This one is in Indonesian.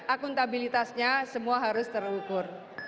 akuntabilitasnya semua harus terukur